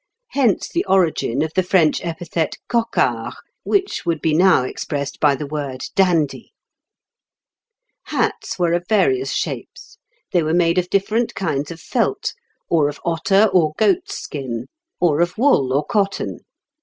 419) hence the origin of the French epithet coquard, which would be now expressed by the word dandy. "Hats were of various shapes. They were made of different kinds of felt, or of otter or goat's skin, or of wool or cotton.